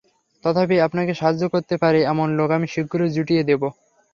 তথাপি আপনাকে সাহায্য করতে পারে, এমন লোক আমি শীঘ্রই জুটিয়ে দেব।